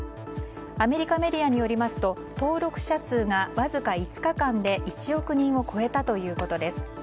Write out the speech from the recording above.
アメリカメディアによりますと登録者数がわずか５日間で１億人を超えたということです。